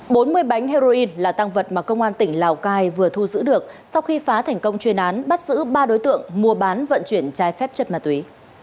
bốn mươi bánh heroin là tăng vật mà công an tỉnh lào cai vừa thu giữ được sau khi phá thành công chuyên án bắt giữ ba đối tượng mua bán vận chuyển trái phép chất ma túy